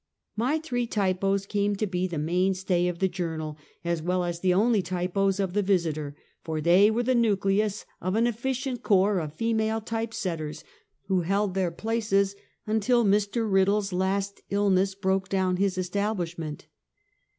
My three typos came to be the main stay of the Journal, as well as the only typos of the Visiter, for they were the nucleus of an efficient corps of female type setters, who held their places until Mr. Eiddle's last illness broke down his establishment.